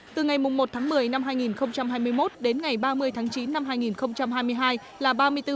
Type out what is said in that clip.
từ ngày một tháng một mươi năm hai nghìn hai mươi một đến ngày ba mươi tháng chín năm hai nghìn hai mươi hai là ba mươi bốn